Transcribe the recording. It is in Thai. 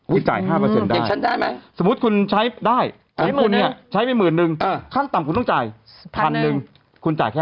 คุณจ่าย๕ได้สมมุติคุณใช้ได้ใช้ไปหมื่นนึงค่ำต่ำคุณต้องจ่าย๑๐๐๐คุณจ่ายแค่๕๐๐